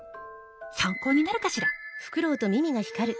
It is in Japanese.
参考になるかしら？